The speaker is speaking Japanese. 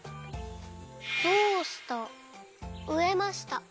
「どうした」「うえました」。